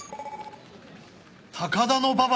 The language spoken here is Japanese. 高田馬場